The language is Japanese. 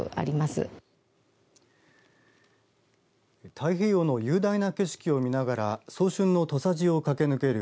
太平洋の雄大な景色を見ながら早春の土佐路を駆け抜ける